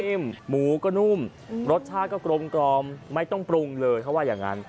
เส้นก็นิ่มหมูก็นุ่มรสชาติก็กรมกรอมไม่ต้องปรุงเลยเขาว่าอย่างงั้น